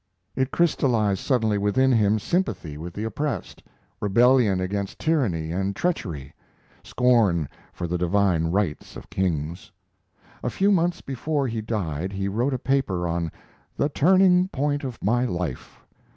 It crystallized suddenly within him sympathy with the oppressed, rebellion against tyranny and treachery, scorn for the divine rights of kings. A few months before he died he wrote a paper on "The Turning point of My Life."